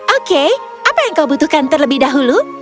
oke apa yang kau butuhkan terlebih dahulu